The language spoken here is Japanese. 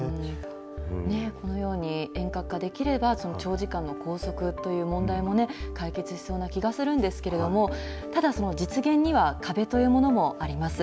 このように遠隔化できれば、長時間の拘束という問題も解決しそうな気がするんですけれども、ただ、実現には壁というものもあります。